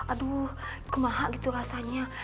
aduh kemahak gitu rasanya